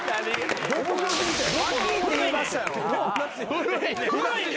古いねん。